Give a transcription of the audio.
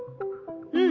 うん。